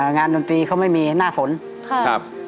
ดนตรีเขาไม่มีหน้าฝนครับ